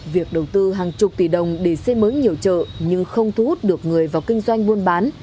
việc đầu tư hàng chục tỷ đồng để xây mới nhiều chợ nhưng không thu hút được người vào kinh doanh buôn bán